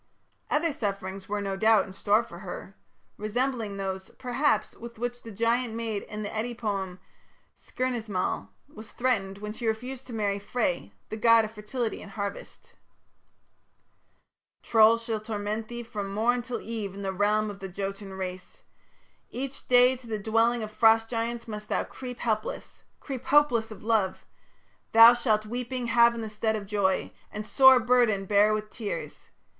Other sufferings were, no doubt, in store for her, resembling those, perhaps, with which the giant maid in the Eddic poem "Skirnismal" was threatened when she refused to marry Frey, the god of fertility and harvest: Trolls shall torment thee from morn till eve In the realms of the Jotun race, Each day to the dwellings of Frost giants must thou Creep helpless, creep hopeless of love; Thou shalt weeping have in the stead of joy, And sore burden bear with tears....